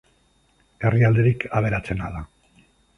Herrialderik aberatsena da.